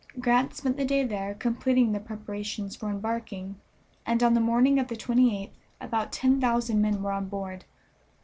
Grant spent the day there completing the preparations for embarking, and on the morning of the 28th about ten thousand men were on board.